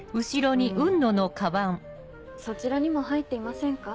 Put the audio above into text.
そちらにも入っていませんか？